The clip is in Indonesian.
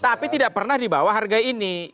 tapi tidak pernah di bawah harga ini